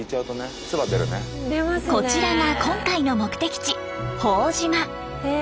こちらが今回の目的地朴島。